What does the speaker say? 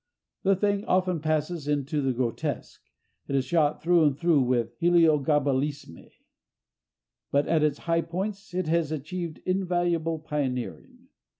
The thing often passes into the grotesque, it is shot through and through with héliogabalisme, but at its high points it has achieved invaluable pioneering.